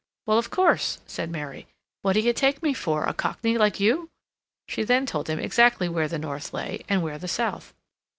"Well, of course," said Mary. "What d'you take me for?—a Cockney like you?" She then told him exactly where the north lay, and where the south.